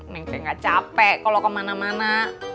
nah aku ga capek kalo kemana mana